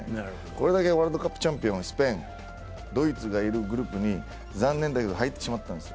これだけワールドカップチャンピオン、スペイン、ドイツがいるグループに残念だけど入ってしまったんです。